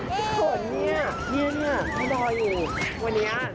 ที่โบร์นเนี่ยนี่นี่พ่อกับดอลอยู่